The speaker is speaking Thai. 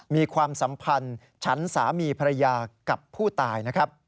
มีความสัมพันธ์ฉันสามีภรรยากับผู้ตาย